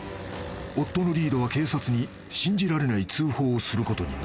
［夫のリードは警察に信じられない通報をすることになる］